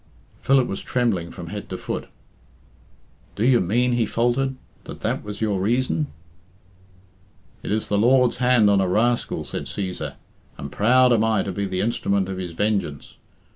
Philip was trembling from head to foot. "Do you mean," he faltered, "that that was your reason?" "It is the Lord's hand on a rascal," said Cæsar, "and proud am I to be the instrument of his vengeance.